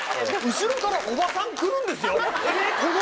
後ろからおばさん来るんですよ。